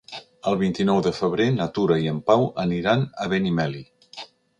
El vint-i-nou de febrer na Tura i en Pau aniran a Benimeli.